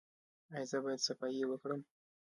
ایا زه باید صفايي وکړم؟